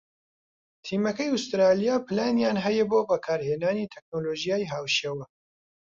تیمەکەی ئوسترالیا پلانیان هەیە بۆ بەکارهێنانی تەکنۆلۆژیای هاوشێوە